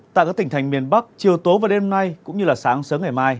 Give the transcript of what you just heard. tại các tỉnh thành miền bắc chiều tối và đêm nay cũng như là sáng sớm ngày mai